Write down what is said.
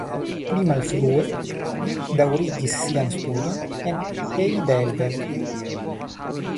Pli malfrue li daŭrigis sian studon en Heidelberg.